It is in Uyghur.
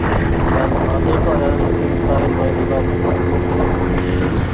مەن ھازىرقى ئايالىمنى ئىنتايىن ئارزۇلاپ خوتۇنلۇققا ئالدىم.